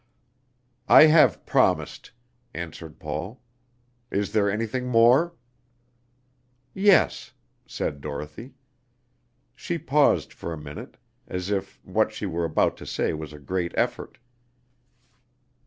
"I have promised," answered Paul. "Is there anything more?" "Yes," said Dorothy. She paused for a minute, as if what she were about to say was a great effort.